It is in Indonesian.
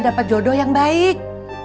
dapat jodoh yang baik